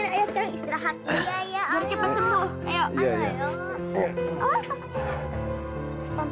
mendingan ayah sekarang istirahat